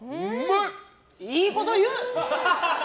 いいこと言う！